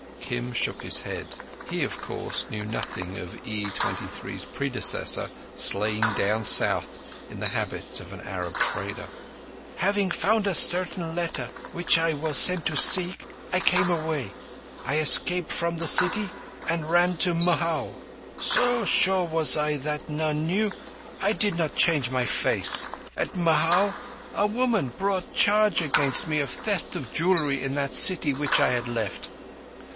Kim shook his head. He, of course, knew nothing of E's predecessor, slain down South in the habit of an Arab trader. "Having found a certain letter which I was sent to seek, I came away. I escaped from the city and ran to Mhow. So sure was I that none knew, I did not change my face. At Mhow a woman brought charge against me of theft of jewellery in that city which I had left.